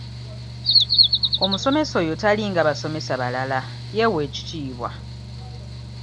Omusomesa oyo talinga basomesa balala yeewa ekitiibwa.